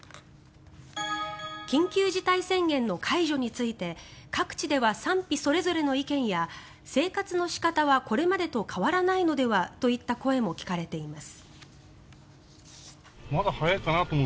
緊急事態宣言の解除について各地では、賛否それぞれの意見や生活の仕方はこれまでと変わらないのではといった声も聞かれています。